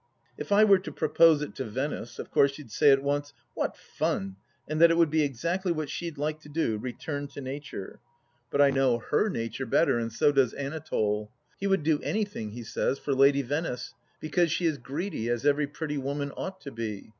" If I were to propose it to Venice, of course she'd say at once, " What fun !" and that it would be exactly what she'd like to do — ^return to Nature. But I know her nature 18 THE LAST DITCH better, and so does Anatole. He would do anything he says for Lady Venice, because she is greedy, as every pretty woman ought to be.